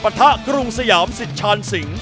ปะทะกรุงสยามสิทธิ์ชาญสิงห์